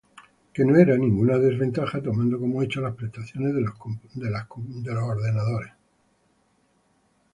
Que no era ninguna desventaja tomando como hecho las prestaciones de los computadores.